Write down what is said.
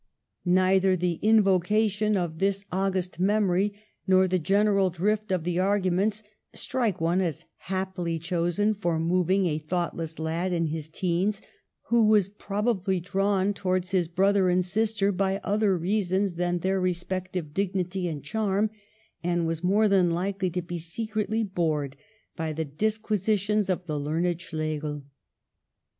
Neither the invocation of this august memory, nor the general drift of the arguments, strike one as happily chosen for moving a thoughtless lad in his teens, who was probably drawn towards his brother and sister by other reasons than their respective dignity and charm, and was more than likely to be secretly bored by the disquisitions of the learned Schlegel.